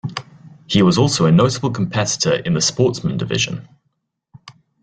He was also a notable competitor in the Sportsman Division.